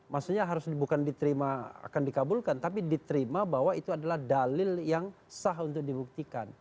maksudnya harus bukan diterima akan dikabulkan tapi diterima bahwa itu adalah dalil yang sah untuk dibuktikan